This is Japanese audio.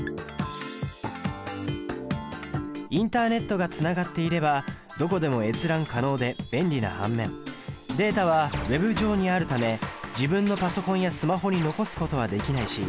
インターネットがつながっていればどこでも閲覧可能で便利な反面データはＷｅｂ上にあるため自分のパソコンやスマホに残すことはできないし